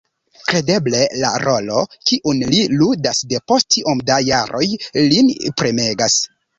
Kredeble la rolo, kiun li ludas depost tiom da jaroj, lin premegas.